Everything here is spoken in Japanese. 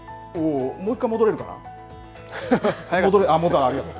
もう１回戻れるかな。